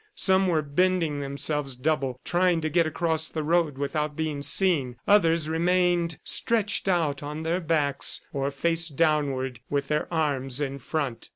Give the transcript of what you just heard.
Some were bending themselves double, trying to get across the road without being seen. Others remained stretched out on their backs or face downward with their arms in front.